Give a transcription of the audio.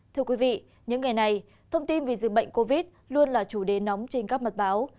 thưa quý vị những ngày này thông tin về dịch bệnh covid luôn là chủ đề nóng trên các mặt báo